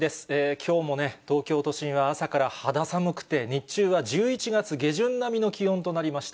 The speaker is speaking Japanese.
きょうも東京都心は朝から肌寒くて、日中は１１月下旬並みの気温となりました。